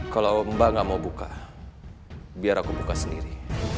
kalau mbak gak mau buka biar aku buka sendiri